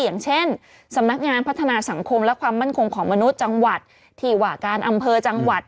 อย่างเช่นสำนักงานพัฒนาสังคมและความมั่นคงของมนุษย์จังหวัดที่ว่าการอำเภอจังหวัด